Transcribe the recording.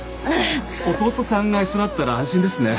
弟さんが一緒だったら安心ですね。